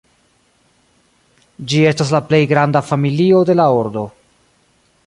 Ĝi estas la plej granda familio de la ordo.